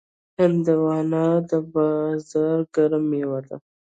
هندوانه د بازار ګرم میوه ده.